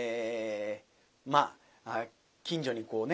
まあ近所にこうね